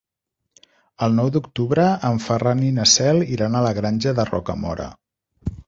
El nou d'octubre en Ferran i na Cel iran a la Granja de Rocamora.